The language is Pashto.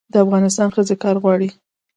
د افغانستان ښځې کار غواړي